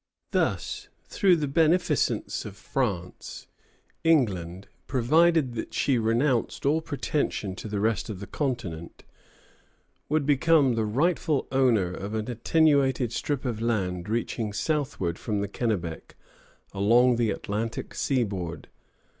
Thus, through the beneficence of France, England, provided that she renounced all pretension to the rest of the continent, would become the rightful owner of an attenuated strip of land reaching southward from the Kennebec along the Atlantic seaboard.